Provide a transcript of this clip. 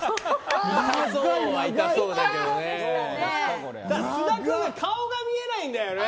痛そうだけどね。